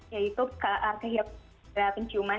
yaitu kehip keraatan ciuman